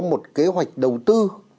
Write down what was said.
một kế hoạch đầu tư